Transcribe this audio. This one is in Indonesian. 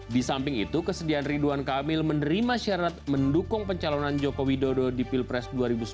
di samping itu kesediaan ridwan kamil menerima syarat mendukung pencalonan joko widodo di pilpres dua ribu sembilan belas